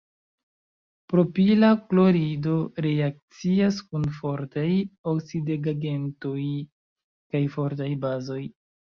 Propila klorido reakcias kun fortaj oksidigagentoj kaj fortaj bazoj.